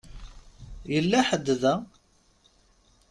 Yella ḥedd da?